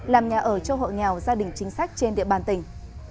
làm nhà ở cho hộ nghèo gia đình chính sách trên địa bàn tỉnh